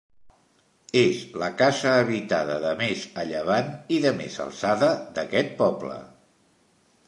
És la casa habitada de més a llevant i de més alçada d'aquest poble.